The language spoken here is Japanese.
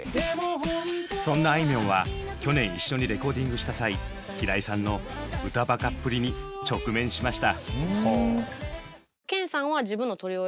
そんなあいみょんは去年一緒にレコーディングした際平井さんの歌バカっぷりに直面しました。